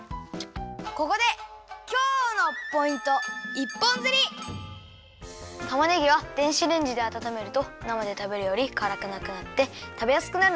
ここでたまねぎは電子レンジであたためるとなまでたべるよりからくなくなってたべやすくなるんだよ。